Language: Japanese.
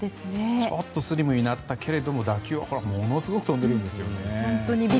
ちょっとスリムになったけれど打球はものすごく飛んでるんです。